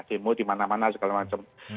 demo di mana mana segala macam